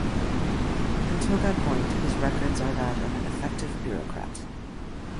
Until that point, his records are that of an effective bureaucrat.